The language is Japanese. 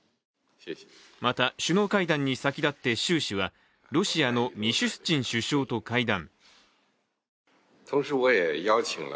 また、首脳会談に先立って習氏はロシアのミシュスチン首相と会談。